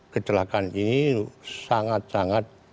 kecelakaan ini sangat sangat